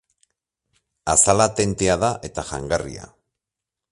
Azala tentea da, eta jangarria.